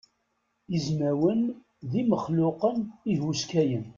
Izmawen d imexluqen ihuskayen.